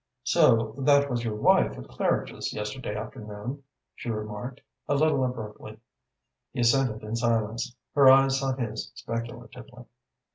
"So that was your wife at Claridge's yesterday afternoon?" she remarked, a little abruptly. He assented in silence. Her eyes sought his speculatively.